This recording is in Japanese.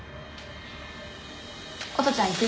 音ちゃん行くよ。